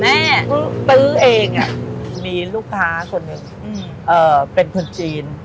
ตื้อเองมีลูกค้าคนหนึ่งเป็นคนจีน